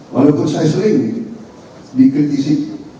walaupun saya sering dikritisi